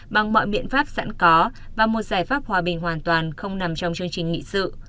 bằng mọi biện pháp sẵn có và một giải pháp hòa bình hoàn toàn không nằm trong chương trình nghị sự